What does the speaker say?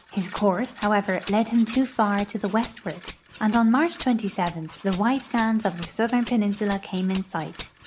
His course, however, led him too far to the westward, and on March 27 the white sands of the southern peninsula came in sight.